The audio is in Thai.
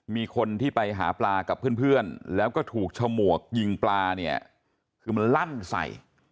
มีคนที่ไปหาปลากับเพื่อนแล้วก็ถูกฉมวกยิงปลาเนี่ยคือมันลั่นใส่